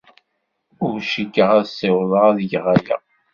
Ur cikkeɣ ad ssiwḍeɣ ad geɣ aya.